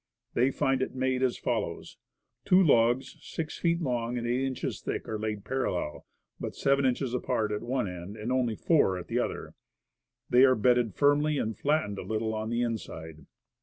They find it made as follows: Two logs six feet long and eight inches thick are laid parallel, but seven inches apart at one end and only four at the other. They are bedded firmly and flattened a little on the inside.